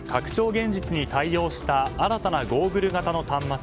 現実に対応した新たなゴーグル型の端末